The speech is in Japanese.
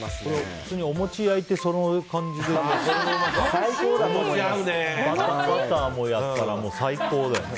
普通にお持ち焼いてその感じで、そのままバターもやったら最高だよ。